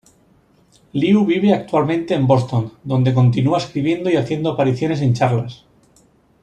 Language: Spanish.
Liu vive actualmente en Boston, donde continúa escribiendo y haciendo apariciones en charlas.